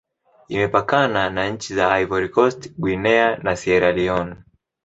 Imepakana na nchi za Ivory Coast, Guinea, na Sierra Leone.